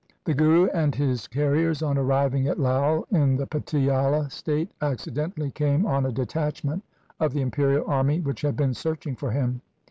The Guru and his carriers on arriving at Lai in the Patiala State accidentally came on a detachment of the imperial army which had been searching for him.